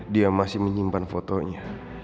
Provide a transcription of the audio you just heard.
dia masih menyimpan fotonya